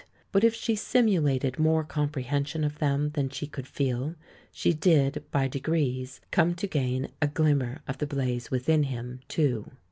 But if she simulated more comprehension of them than she could feel, she did, by degrees, come to gain a glimmer of the blaze within him, too.